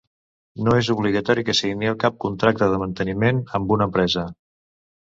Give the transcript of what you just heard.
No és obligatori que signeu cap contracte de manteniment amb una empresa.